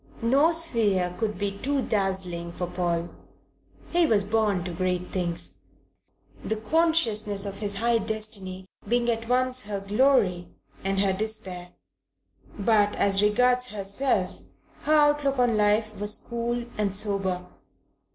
No sphere could be too dazzling for Paul; he was born to great things, the consciousness of his high destiny being at once her glory and her despair; but, as regards herself, her outlook on life was cool and sober.